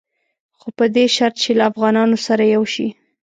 خو په دې شرط چې له افغانانو سره یو شي.